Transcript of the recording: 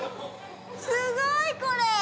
すごい！これ。